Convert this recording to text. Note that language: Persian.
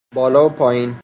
بالا و پائین